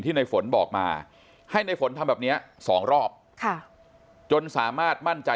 ในฝนบอกมาให้ในฝนทำแบบนี้สองรอบจนสามารถมั่นใจ